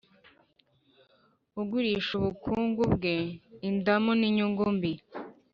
ugwirisha ubukungu bwe indamu n’inyungu mbi,